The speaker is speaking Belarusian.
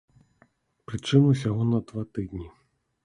Прычым усяго на два тыдні.